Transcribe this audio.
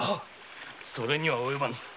それにはおよばぬ。